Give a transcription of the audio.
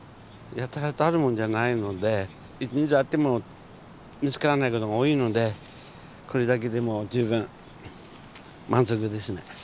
やたらとあるもんじゃないので一日あっても見つからないことが多いのでこれだけでも十分満足ですね。